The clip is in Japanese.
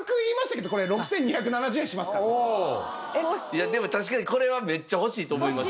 いやでも確かにこれはめっちゃ欲しいと思います。